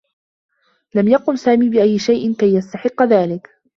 لم يقم سامي بأيّ شيء كي يستحقّ ذلك.